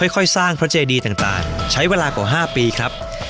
ค่อยสร้างพระเจดีต่างใช้เวลากว่า๕ปีครับ